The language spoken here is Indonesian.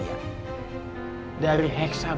tidak ada apa apa